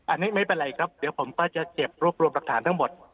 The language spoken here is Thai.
อันนี้ไม่เป็นไรครับเดี๋ยวผมก็จะเก็บรวบรวมหลักฐานทั้งหมด